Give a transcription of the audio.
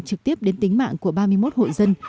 trực tiếp đến tính mạng của ba mươi một hộ dân